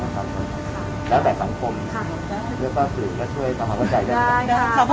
แล้วแต่สังคมค่ะเต้นด้วยค่ะช่วยได้ได้ได้ค่ะค่ะ